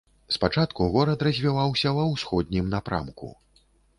Спачатку горад развіваўся ва ўсходнім напрамку.